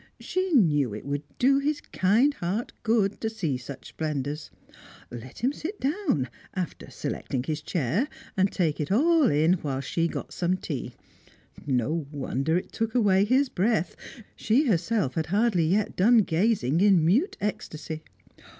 She knew it would do his kind heart good to see such splendours! Let him sit down after selecting his chair and take it all in whilst she got some tea. No wonder it took away his breath! She herself had hardly yet done gazing in mute ecstasy.